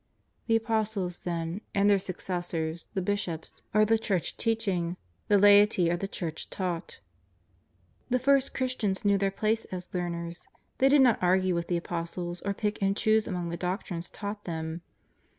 The Apostles, then, and their successors, the Bishops, are the Church Teaching, the laity are the Church Taught. The first Christians knew their place as learners. They did not argue w^ith the Apostles, or pick and choose among the doctrines taught them.